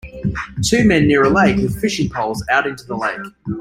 Two men near a lake with fishing poles out into the lake.